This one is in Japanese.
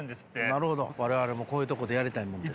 なるほど我々もこういうところでやりたいもんです。